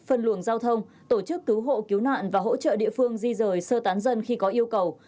phân luồng giao thông tổ chức cứu hộ cứu nạn và hỗ trợ địa phương di rời sơ tán dân khi có yêu cầu